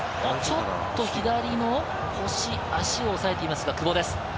ちょっと左の足を押さえていますか、久保です。